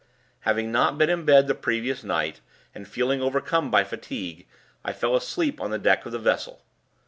Having not been in bed the previous night, and feeling overcome by fatigue, I fell asleep on the deck of the vessel.